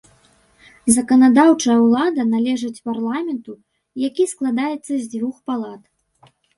Заканадаўчая ўлада належыць парламенту, які складаецца з дзвюх палат.